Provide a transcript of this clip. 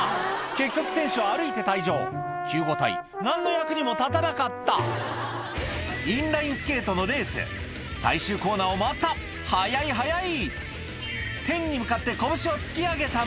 結局選手は歩いて退場救護隊何の役にも立たなかったインラインスケートのレース最終コーナーを回った速い速い！